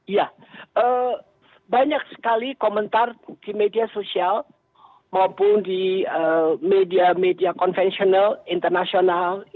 ya banyak sekali komentar di media sosial maupun di media media konvensional internasional